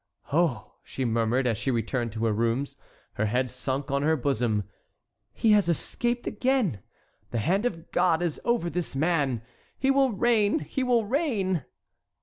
"Oh!" she murmured, as she returned to her rooms, her head sunk on her bosom, "he has again escaped. The hand of God is over this man. He will reign! he will reign!"